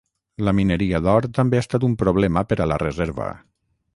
La mineria d'or també ha estat un problema per a la reserva.